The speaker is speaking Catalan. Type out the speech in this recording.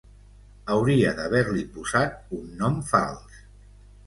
Hauria d'haver-li posat un nom fals.